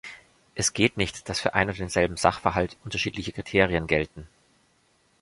Es geht nicht, dass für ein- und denselben Sachverhalt unterschiedliche Kriterien gelten.